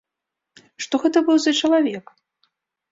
Што гэта быў за чалавек?